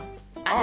あ！